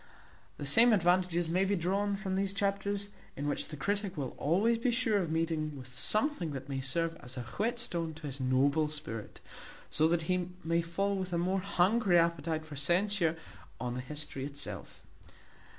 The same advantages may be drawn from these chapters, in which the critic will be always sure of meeting with something that may serve as a whetstone to his noble spirit; so that he may fall with a more hungry appetite for censure on the history itself.